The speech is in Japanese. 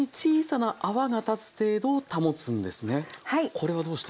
これはどうして？